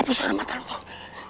lepas urut mata lu bang